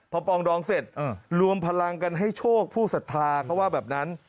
พอปองดองเสร็จรวมพลังกันให้โชคผู้ศรัทธาเขาว่าแบบนั้น